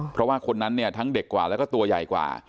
เพราะว่าคนนั้นเนี่ยทั้งเด็กกว่าแล้วก็ตัวใหญ่กว่า